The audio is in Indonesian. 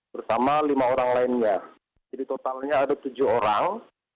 bersama lima orang lainnya jadi totalnya ada tujuh orang